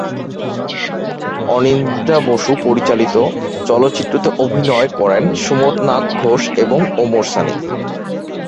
অনিন্দিতা বসু পরিচালিত চলচ্চিত্রটিতে অভিনয় করেন সুমথনাথ ঘোষ এবং ওমর সানী।